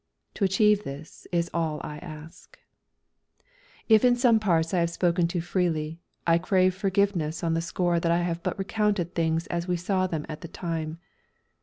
To achieve this is all I ask. If in some parts I have spoken too freely, I crave forgiveness on the score that I have but recounted things as we saw them at the time.